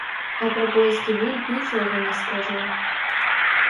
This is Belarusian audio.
А пра польскі бунт нічога не скажу!